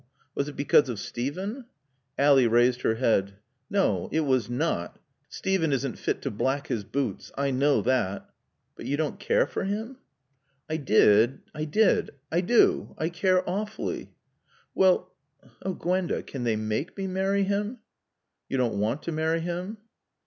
"Was it because of Steven?" Ally raised her head. "No. It was not. Steven isn't fit to black his boots. I know that " "But you don't care for him?" "I did I did. I do. I care awfully " "Well " "Oh, Gwenda, can they make me marry him?" "You don't want to marry him?"